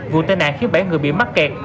vụ tên nạn khiến bảy người bị mắc kẹt